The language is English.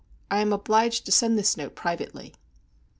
I am obliged to send this note privately."